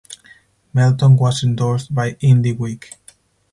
Melton was endorsed by "Indy Week".